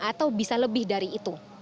atau bisa lebih dari itu